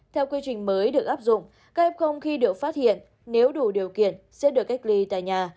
theo quy trình mới được áp dụng các f khi được phát hiện nếu đủ điều kiện sẽ được cách ly tại nhà